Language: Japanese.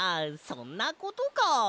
そんなことか。